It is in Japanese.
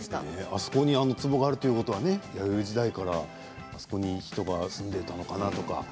あそこに、つぼがあるということは弥生時代からあそこに人が住んでいたのかなとか。